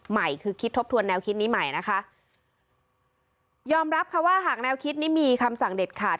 ใหม่คือคิดทบทวนแนวคิดนี้ใหม่นะคะยอมรับค่ะว่าหากแนวคิดนี้มีคำสั่งเด็ดขาด